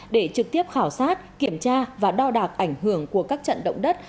để trực tiếp khảo sát kiểm tra và đo đạc ảnh hưởng của các trận động đất